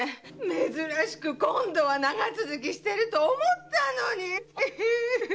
珍しく今度は長続きしてると思ったのに！